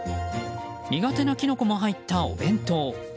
苦手なキノコも入ったお弁当。